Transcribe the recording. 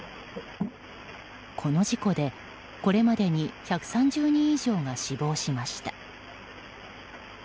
この事故でこれまでに１３０人以上が死亡しました。